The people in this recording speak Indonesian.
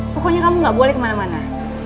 pokoknya kamu gak boleh kemana mana